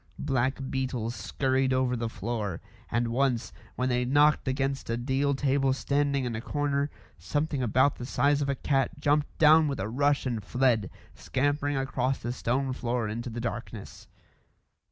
Black beetles scurried over the floor, and once, when they knocked against a deal table standing in a corner, something about the size of a cat jumped down with a rush and fled, scampering across the stone floor into the darkness.